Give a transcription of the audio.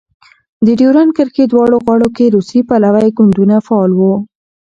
د ډیورند کرښې دواړو غاړو کې روسي پلوی ګوندونه فعال وو.